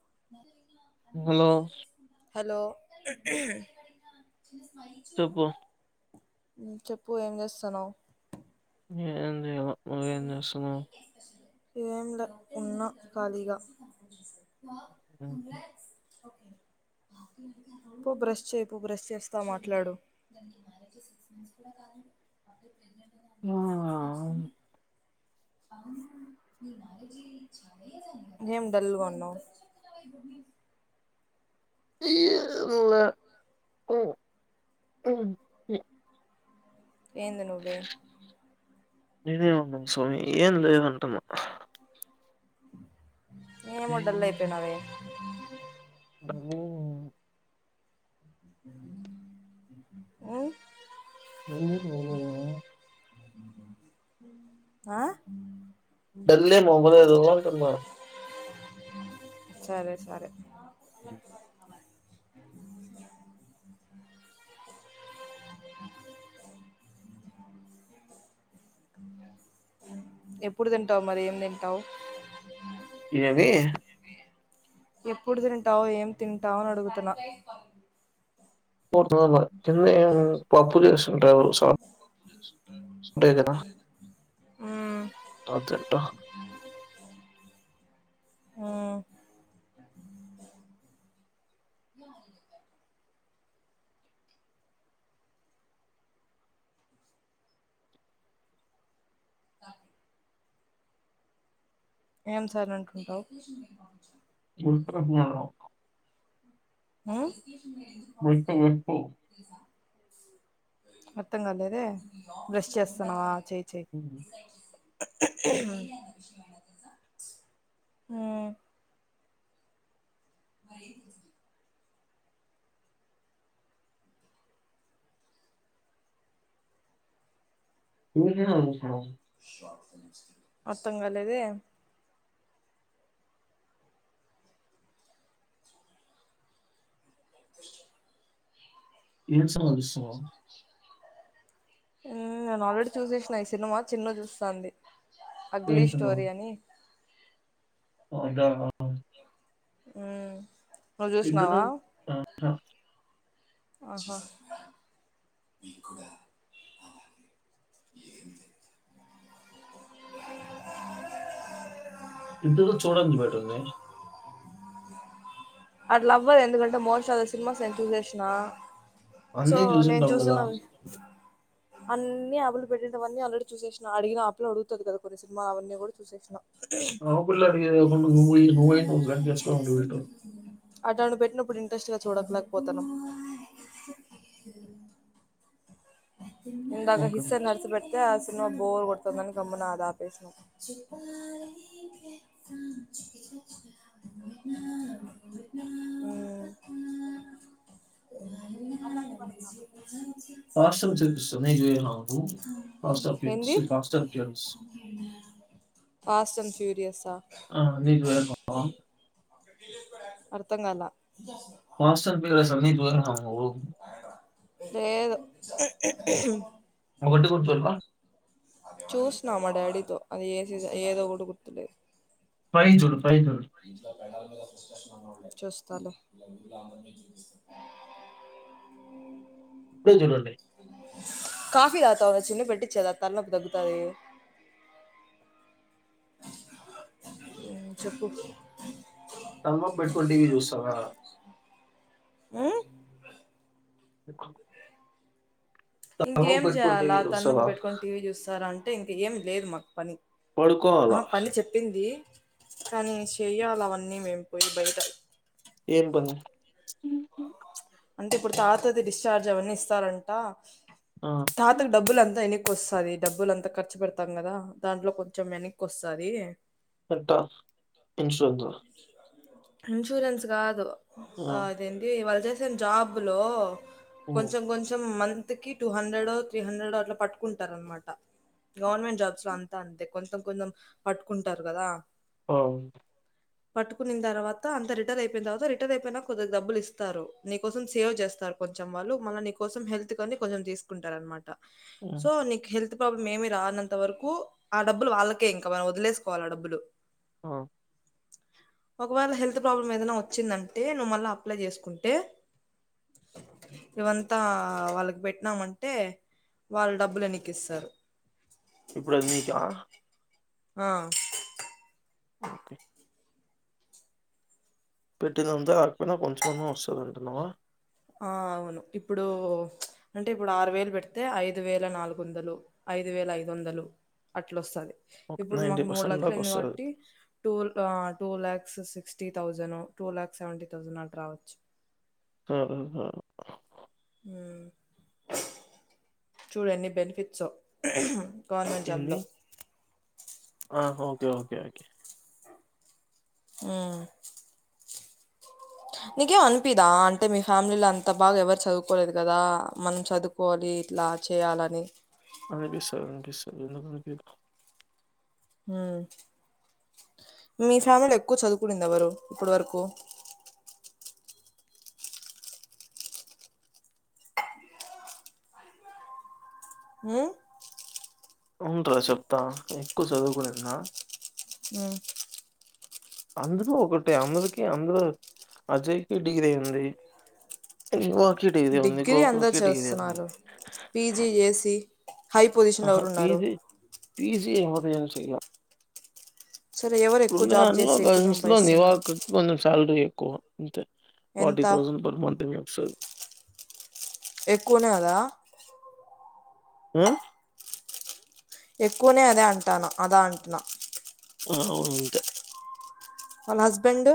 [inaudible] Hello [unintelligible] ఉమ్ చెప్పు ఏం జేస్తున్నావ్ ఏం జేయలే నువ్ ఏం జేస్తున్నావ్ ఏంలే ఉన్నా ఖాళీగా [inaudible] పో బ్రష్ చేయిపో బ్రష్ చేస్తా మాట్లాడు [inaudible] ఏం డల్ గా ఉన్నావ్ [inaudible] ఏం లే ఏంది నువ్వే నేనేేం అన్నాన్ స్వామి ఏం లేదంటున్నా ఏమో డల్ అయిపోయినవే [inaudible] ఉమ్ [unintelligible] పోలేదా ఆ బేళ్లే మొగలేదు అంటున్న సరే సరే ఎప్పుడు తింటావు మరి ఏం తింటావు? ఏవీ ఎప్పుడు తింటావు ఏం తింటావు అని అడుగుతున్న. పోతన్న తిన్ [unintelligible] పప్పు చేసిటారు సాం ఉం [unintelligible] కదా మ్ తతేట్టా ఉ [inaudible] ఏం సైలెంటుంటావు [unintelligible] మ్మ్ [unintelligible] అర్థం కాలేదే బ్రష్ చేస్తాన్నావా. చేయి చేయి హు భరి [unintelligible] అర్థంకాలేదే ఏం సినిమా చూస్తున్నావ్ ఉ నేను ఆల్రెడీ చూసేసిన ఈ సినిమా చిన్ను చూస్తాంది. అగ్లీ స్టోరి అని అదా ఆ ఉ నువ్వు చూసినవా నో ఆహా ఇద్దరు చూడంది పెట్టవే అట్ల అవ్వదు ఎందుకంటే మోస్ట్ ఆఫ్ సినిమాస్ నేను చూసేసిన. సో నేను చూస్తున్నావి అన్ని ఆపిల్ల పెట్టినెటీవన్నీ ఆల్రెడీ చూసినా. అడిగిన ఆపిల్ల అడుగుతది కదా! కొన్ని సినిమాలు అవన్నీ కూడా చూసేసిన. ఆ పిల్ల అడిగేది కాకుండా నువ్వు [unintelligible] నువ్వే నువ్వు. [unintelligible] అట్లాంటివి పెట్టినప్పుడు ఇంట్రెస్ట్ గా చూడకలేకపోతానం ఇందగా హిస్సె నర్స్ పెడితే. [unintelligible] సినిమా బోర్ కొడతందని గమ్మున అది ఆపేస్నం. ఏంది ఆ ఆ అండీ వే అర్థం కాల పాస్టర్ కన్నా ఘోరం నువ్వు లేదు ఉగ్గు హు ఒకటి గుర్తు పెట్టుకో చూసిన మా డాడీతో అది ఏ ఏదో కూడా గుర్తులేదు ఫైకి చూడు ఫైకి చూడు చూస్తాలే ఇప్పుడే చూడండి కాఫీ తాగుతావ చిన్న పెట్టిచ్చేదా తలనొప్పి తగ్గుతాది చప్పు ఉమ్ ఆ ఇంకేం చేయ్యాల ఆ తలనొప్పి పెట్టుకొని టీవీ చూస్తార అంటే ఇంక ఏం లేదు మాకు పని ఆ పని చెప్పింది కానీ చేయ్యాల అవన్నీ మేం పోయి బయట ఏం పని అంటే ఇప్పుడు తాతది డిశ్చార్జ్ అవన్నీ ఇస్తారంట తాతకు డబ్బులు అంతా ఎనక్కి వస్తది డబ్బులు అంతా ఖర్చు పెడతం కదా దాంట్లో కొంచెం వెనక్కి వస్తాది పెట్ట ఇనిషిల్ వద్దు ఇన్సూరెన్స్ కాదు ఆ అదేంది వాళ్ళు చేసిన జాబ్ లో కొంచెం కొంచెం మంత్ కి టూ హండ్రెడ్ ఓ త్రీ హండ్రెడ్ ఓ అట్లా పట్టుకుంటారు అనమాట గవర్నమెంట్ జాబ్స్ లో అంతా అంతే కొంచెం కొంచెం పట్టుకుంటారు కదా ఓ పట్టుకున్న తర్వాత అంత రిటైర్ అయిపోయిన తర్వాత రిటైర్ అయిపోయినా కొద్దిగా డబ్బులు ఇస్తారు నీ కోసం సేవ్ చేస్తారు కొంచెం వాళ్ళు మళ్ళ నీకోసం హెల్త్ కని కొంచెం తీసుకుంటారు అనమాట సో నీకు హెల్త్ బ్ మేమి రానంత వరకు ఆ డబ్బులు వాళ్ళకే ఇంకా మనం వదిలేసుకోవాలి ఆ డబ్బులు ఆ ఒకవేళ హెల్త్ ప్రాబ్లమ్ ఏదైనా వచ్చిందంటే నువ్వు మళ్ళీ అప్లై చేసుకుంటే [inaudible] ఇవంతా వాళ్ళకి పెట్టినామంటే వాళ్ళ డబ్బులు ఎనిక్కిస్తారు ఇప్పుడు అది మీకా ఆ ఓకే పెట్టిందంతా రాకపోయినా కొంచెమన్నా వస్తుంది అంటున్నావా ఆ అవును ఇప్పుడు అంటే ఇప్పుడు ఆరు వేలు పెడితే ఐదు వేల నాలుగు వందలు ఐదు వేల ఐదు వందలు అట్ల వస్తది ఇప్పుడు మాకు మూడు లక్షలు అయింది కాబట్టి టూ టూ ల్యాక్స్ సిస్ సిక్స్టీ థౌజండ్ ఓ టూ ల్యాక్స్ సెవెంటీ థౌసండ్ అట్ల రావచ్చు తెలీదు హ్మ్ చూడు ఎన్ని బెనిఫిట్సో గవర్నమెంట్ జాబ్ ఇన్ని లో ఆ ఓకే ఓకే ఓకే ఆ నీకేం అనిపిదా అంటే మీ ఫ్యామిలీలో అంత బాగా ఎవరు చదువుకోలేదు గదా మనం చదువుకోవాలి ఇట్లా చేయాలని అనిపిస్తాది అనిపిస్తాది ఎందుకనిపీదు మ్మ్ మీ ఫ్యామిలీలో ఎక్కువ చదువుకునింది ఎవరు ఇప్పుడు వరకు ఆ ఉంటా చెప్తా ఎక్కువ చదువుకునేన మ్మ్ అందురూ ఒకటే అందరికి అందరు అజయ్ కి డిగిరీ అయింది టీ వో డిగ్రీ అందురు చేస్తున్నారు పీ జీ జేసి హై పొజిషన్ లో ఎవరున్నారు పీ జీ ఎవరు ఏం చైలా సరే ఎవరు ఎక్కువ ఉన్నా జాబ్ అని చేసి ఒక ఎక్కువ న్యూస్ లో ఉంది సంపాదిస్తున్నారు కొంచం శాలరీ కో అంతే ఫార్టీ ఎంత థౌసండ్ పర్ మంతిమి ఒకసారి ఎక్కువనే అదా ఆ ఎక్కువనే అదా అంటాన అదా అంట్నా ఆ అంతే వాళ్ళ హస్బెండ్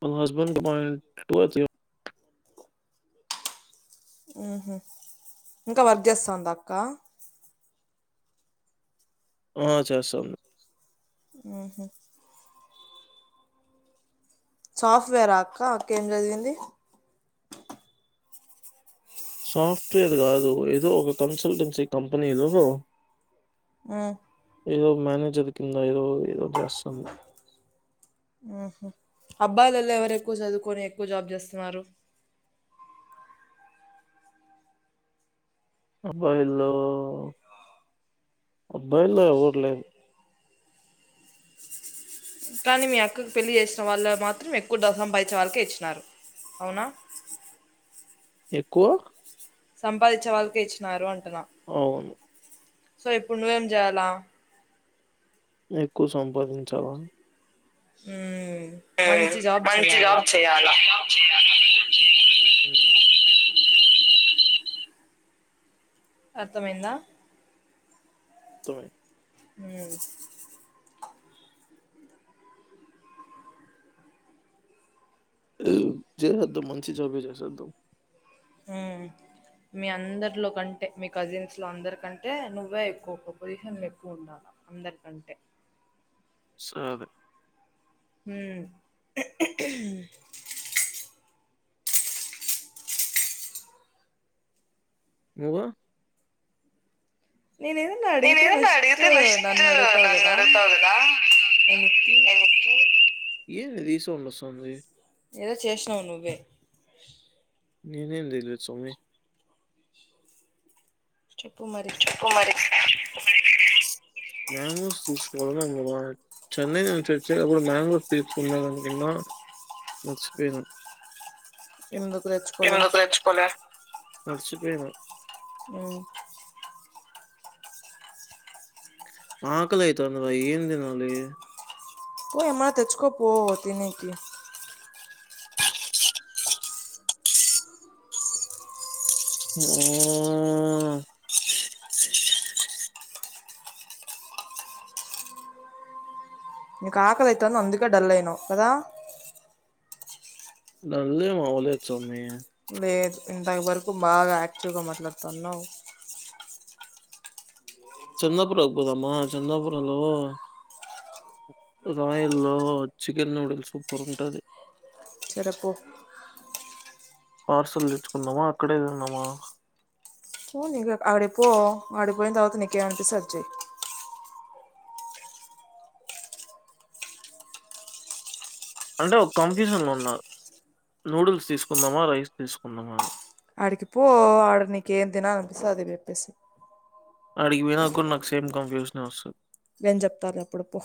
వాళ్ళ హస్బండ్ కి బాండ్ టోచే ఊహు ఇంకా వర్క్ చేస్తాందా అక్క ఆ చేస్తాంది ఆహా సాఫ్ట్వేరా అక్క అక్క ఏం జదివింది సాఫ్ట్వేర్ గాదు ఏదో ఒక కన్సల్టెన్సీ కంపెనీలో ఆ ఇదో మ్యానేేజర్ కింద ఇదో ఇదో ఊహు అబ్బాయిలల్లో ఎవరు ఎక్కువ చదువుకోని ఎక్కువ జాబ్ చేస్తున్నారు అబ్బాయిల్లో అబ్బాయిల్లో ఎవరు లేరు కానీ మీ అక్కకు పెళ్ళి చేసిన వాళ్ళు మాత్రం ఎక్కువ డబ్బు సంపాదిచ్చే వాళ్కే ఇచ్చినారు అవునా ఎక్కువ సంపాదించే వాళ్ళకే ఇచ్చినారు అంటున్నా అవును సో ఇప్పుడు నువ్వేం జెయాల ఎక్కువ సంపాదించాల మ్మ్ మంచి జాబ్ మంచి చేయాలా జాబ్ చెయ్యాల అర్థమైందా తొఎ మ్మ్ చేసేద్దాం మంచి జాబే చేసేద్దాం ఊ మీ అందరిలో కంటే మీ కజిన్స్ లో అందరి కంటే నువ్వే ఎక్కువ పొజిషన్ ఎక్కువ ఉండాల అందరి కంటే సరే ఉ నువు నేను ఏదన నేను అడిగితే ఏదైనా ఫస్ట్ అడిగితే ఫస్ట్ నన్ను అడుగుతావ్ నన్ను గదా అడుగుతావు కదా ఎనిక్కి ఏంది రీ సౌండ్ వస్తాంది ఏదో చేసినావు నువ్వే నేనేం చేయలేదు సామి చప్పు మరి మాంగోస్ తీస్కో చెన్నై నుంచి వచ్చే అప్పుడు కూడా మంగోస్ తీసుకుందామనుకున్న మ మర్చిపోయిన ఎందుకు తెచ్చుకోలే మర్చిపోయిన ఊ ఆకలైతాంది రా ఏన్ దినాలి పో ఏమన్నా తెచ్చుకో పో తినేకి ఊ నిక్ ఆకలి అయితాంది అందుకే డల్ అయినావు కదా డల్ ఏం అవ్వలే సమ్మీ లేదు ఇంత వరకు బాగా యాక్టివ్గా మాట్లాడుతన్నావ్ చెందపుర కు పోదమా చెందపురాలో రాయల్లో చికెన్ నూడిల్సు సూపర్ ఉంటది సరే పో పార్సల్ తెచ్చుకుందామా అక్కడే తిందామా పో నిక్ ఆడికి పో అడికి పోయిన తర్వాత నీకేమానిపిస్తే అది చై అంటే ఒక కన్ఫ్యూజన్ లో ఉన్న నూడిల్స్ తీసుకుందామా రైస్ తీసుకుందామా అని ఆడికి పో ఆడ నీకు ఏం తినాలనిపిస్తే అది చెప్పేసే అడిగి పోయినా కూడా నాకు సేమ్ కన్ఫ్యూషనే వస్తది నేను చెప్తా లే అప్పుడు పో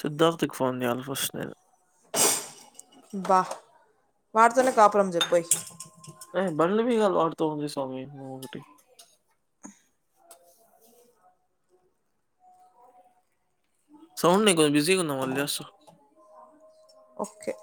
సిద్ధార్థ కి ఫోన్ చేయాలే ఫస్ నేను అబ్బా వాడితోనే కాపురం చెయ్ పోయి ఏ బండి బిగాలు వాడితో ఉంది సోమి నువ్ ఒకటి సౌండ్ లె నేను కొంచెం బిజీగా ఉన్న మళ్ళ చేస్తా ఓకే